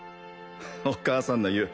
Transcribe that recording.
お母さんの言う